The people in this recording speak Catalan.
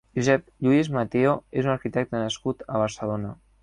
Josep Lluís Mateo és un arquitecte nascut a Barcelona.